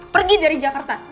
pergi dari jakarta